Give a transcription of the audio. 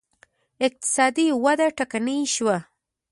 اقتصادي وده ټکنۍ شوه